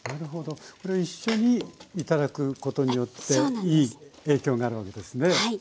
一緒に頂くことによっていい影響があるわけですね。